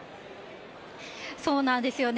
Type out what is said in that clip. そうなんですよね。